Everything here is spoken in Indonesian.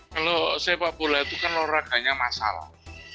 kalau sepak bola itu kan olahraganya masalah